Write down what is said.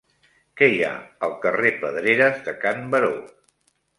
Què hi ha al carrer Pedreres de Can Baró